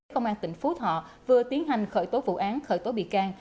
công an tỉnh phú thọ vừa tiến hành khởi tố vụ án khởi tố bị can